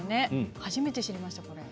初めて知りました。